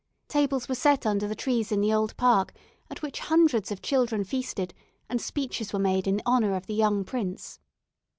Tables were set under the trees in the old park, at which hundreds of children feasted, and speeches were made in honour of the young prince.